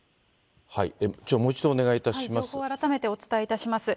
情報を改めてお伝えいたします。